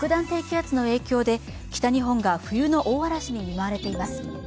低気圧の影響で北日本が冬の大嵐に見舞われています。